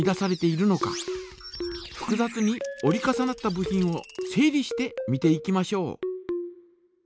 ふくざつに折り重なった部品を整理して見ていきましょう。